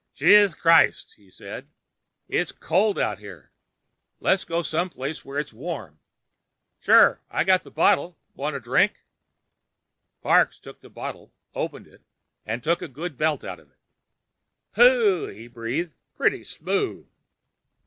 "Jeez krise!" he said. "It's cold out here. Let's get to someplace where it's warm." "Sure. I got the bottle. Want a drink?" Parks took the bottle, opened it, and took a good belt out of it. "Hooh!" he breathed. "Pretty smooth."